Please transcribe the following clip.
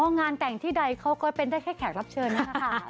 งานแต่งที่ใดเขาก็เป็นได้แค่แขกรับเชิญนะคะ